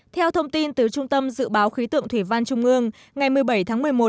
theo thông tin từ trung tâm dự báo khí tượng thủy văn trung ương ngày một mươi bảy tháng một mươi một